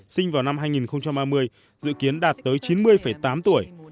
sinh vào năm hai nghìn ba mươi dự kiến đạt tới chín mươi tám tuổi